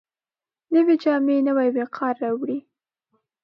نوې جامې نوی وقار راوړي